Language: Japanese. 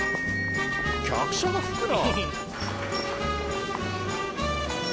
客車が吹くな。